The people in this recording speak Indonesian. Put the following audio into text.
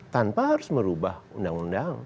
tanpa harus merubah undang undang